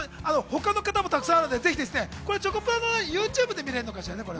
他の形もたくさんあるので、ぜひチョコプラのＹｏｕＴｕｂｅで見られるのかね？